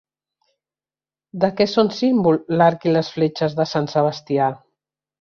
De què són símbol l'arc i les fletxes de sant Sebastià?